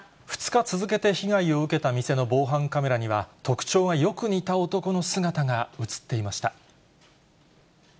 ２日続けて被害を受けた店の防犯カメラには、特徴がよく似た男の姿が写っていました。